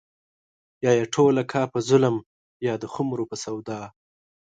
يا يې ټوله کا په ظلم يا د خُمرو په سودا